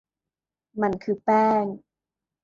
มันคือแป้ง